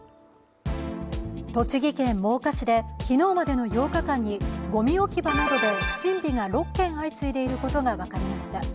栃木県真岡市で昨日までの８日間にごみ置き場などで不審火が６件起きていることが分かりました。